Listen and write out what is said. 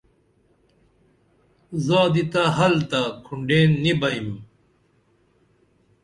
زادی تہ حل تہ کُھونڈین نی بئیم